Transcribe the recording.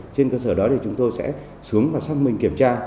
trên cơ sở đó thì chúng tôi sẽ xuống và xác minh kiểm tra